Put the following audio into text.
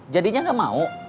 jadinya enggak mau